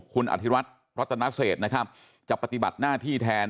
คุณอธิวัฒน์รัตนเศษนะครับจะปฏิบัติหน้าที่แทน